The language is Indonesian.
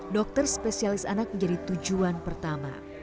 dokter spesialis anak menjadi tujuan pertama